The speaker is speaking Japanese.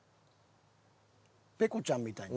ペコちゃんみたいな。